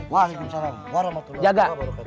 waalaikumsalam warahmatullahi wabarakatuh